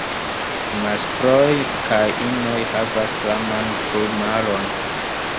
Maskloj kaj inoj havas saman plumaron.